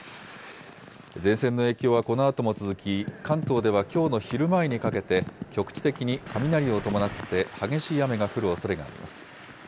前線の影響はこのあとも続き、関東ではきょうの昼前にかけて、局地的に雷を伴って、激しい雨が降るおそれがあります。